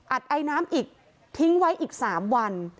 ไอน้ำอีกทิ้งไว้อีก๓วัน